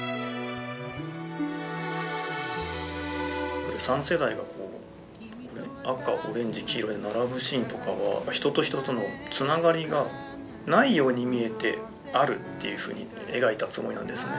これ三世代がこう赤オレンジ黄色で並ぶシーンとかは人と人とのつながりがないように見えてあるっていうふうに描いたつもりなんですね。